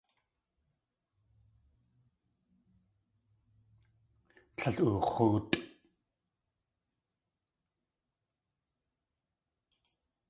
Tlél oox̲óotʼ.